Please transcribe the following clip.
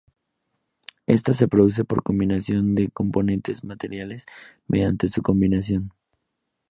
Esta se produce por combinación de componentes materiales, mediante su combinación.